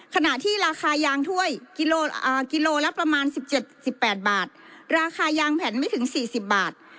ขณะที่ราคายางถ้วยกิโลละประมาณ๑๗๑๘บาทราคายางแผ่นไม่ถึง๔๐บาท